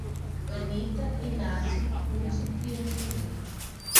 Anita, Inácio, Rute e Angelina